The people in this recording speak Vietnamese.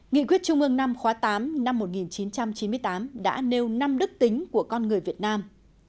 nghị quyết trung ương năm khóa tám năm một nghìn chín trăm chín mươi tám đã nêu năm đức tính của con người việt nam